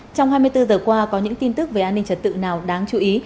trong hai mươi bốn giờ qua có những tin tức về an ninh trật tự nào đáng chú ý